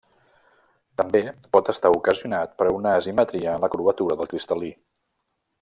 També, pot estar ocasionat per una asimetria en la curvatura del cristal·lí.